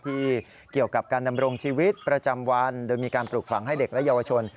ที่เกี่ยวกับการดำรงชีวิตประจำวันโดยมีการปลูกขลังให้เด็กและเยาวชน